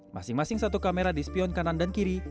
masing masing satu kamera di spion kanan dan kiri